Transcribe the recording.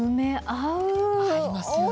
合いますよね。